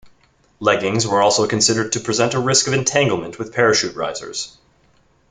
Leggings were also considered to present a risk of entanglement with parachute risers.